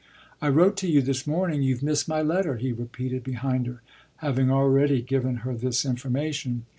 "I wrote to you this morning you've missed my letter," he repeated behind her, having already given her this information.